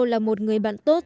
là một người bạn tốt